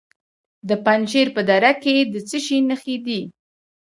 د پنجشیر په دره کې د څه شي نښې دي؟